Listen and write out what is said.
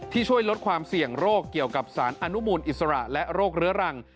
ช่วยลดความเสี่ยงโรคเกี่ยวกับสารอนุมูลอิสระและโรคเรื้อรัง